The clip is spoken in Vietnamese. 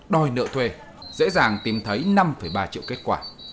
đòi nợ thuê dễ dàng tìm thấy năm ba triệu kết quả